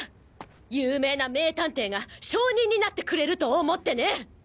有名な名探偵が証人になってくれると思ってね！